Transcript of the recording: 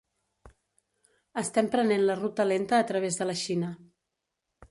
Estem prenent la ruta lenta a través de la Xina.